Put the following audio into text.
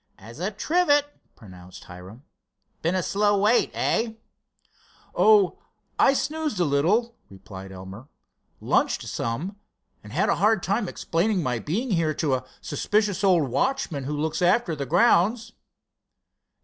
"As a trivet," pronounced Hiram. "Been a slow wait; eh?" "Oh, I snoozed a little," replied Elmer; "lunched some, and had a hard time explaining my being here to a suspicious old watchman who looks after the grounds."